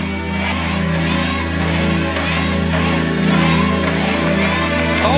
เล่นเล่นเล่นเล่น